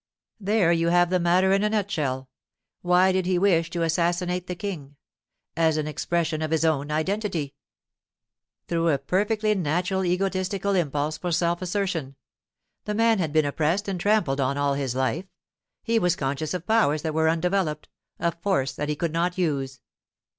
'There you have the matter in a nutshell. Why did he wish to assassinate the King? As an expression of his own identity. Through a perfectly natural egotistical impulse for self assertion. The man had been oppressed and trampled on all his life. He was conscious of powers that were undeveloped, of force that he could not use.